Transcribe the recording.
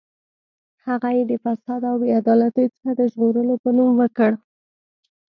هغه یې د فساد او بې عدالتۍ څخه د ژغورلو په نوم وکړ.